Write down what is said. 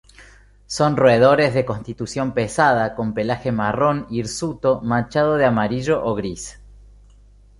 Son roedores de constitución pesada, con pelaje marrón hirsuto manchado de amarillo o gris.